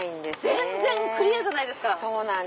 全然クリアじゃないですか。